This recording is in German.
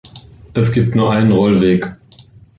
Es gibt nur einen Rollweg.